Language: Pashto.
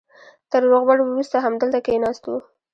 تر روغبړ وروسته همدلته کېناستو.